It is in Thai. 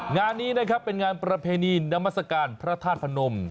งานนี้นะครับเป็นงานประเพณีนามัศกาลพระธาตุพนม